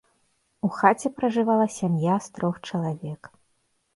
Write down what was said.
У хаце пражывала сям'я з трох чалавек.